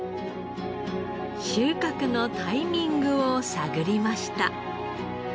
収穫のタイミングを探りました。